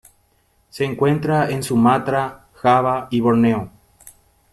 Se encuentra en Sumatra, Java y Borneo.